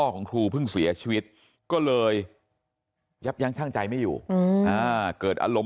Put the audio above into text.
ของครูเพิ่งเสียชีวิตก็เลยยับยั้งช่างใจไม่อยู่เกิดอารมณ์